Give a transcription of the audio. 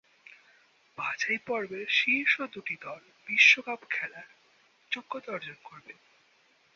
বাছাইপর্বের শীর্ষ দুটি দল বিশ্বকাপ খেলার যোগ্যতা অর্জন করবে।